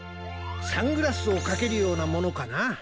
サングラスをかけるようなものかな。